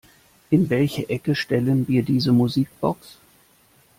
In welche Ecke stellen wir diese Musikbox?